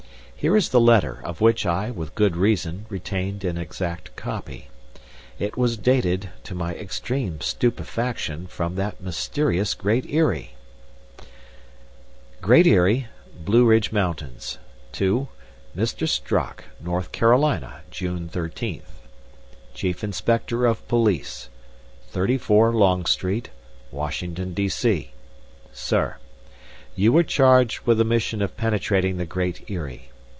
Here is the letter, of which I, with good reason, retained an exact copy. It was dated, to my extreme stupefaction, from that mysterious Great Eyrie: Great Eyrie, Blueridge Mtns, To Mr. Strock: North Carolina, June 13th. Chief Inspector of Police, 34 Long St., Washington, D. C. Sir, You were charged with the mission of penetrating the Great Eyrie.